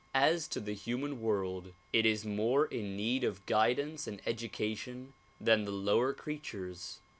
As to the human world, it is more in need of guidance and education than the lower creatures.